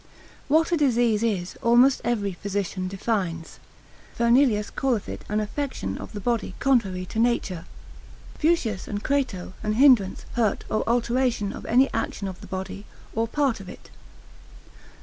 What a disease is, almost every physician defines. Fernelius calleth it an affection of the body contrary to nature. Fuschius and Crato, an hindrance, hurt, or alteration of any action of the body, or part of it.